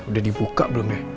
udah dibuka belum ya